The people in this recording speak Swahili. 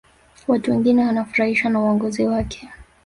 watu wengi wanafurahishwa na uongozi wake